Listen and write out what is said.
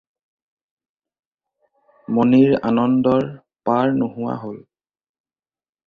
মণিৰ আনন্দৰ পাৰ নোহোৱা হ'ল।